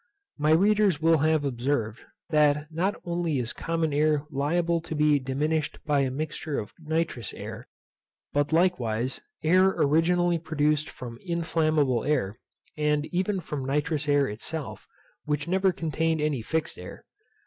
My readers will have observed, that not only is common air liable to be diminished by a mixture of nitrous air, but likewise air originally produced from inflammable air, and even from nitrous air itself, which never contained any fixed air.